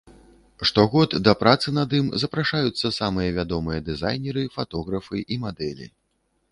Штогод да працы над ім запрашаюцца самыя вядомыя дызайнеры, фатографы і мадэлі.